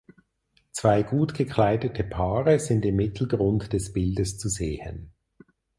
Zwei gut gekleidete Paare sind im Mittelgrund des Bildes zu sehen.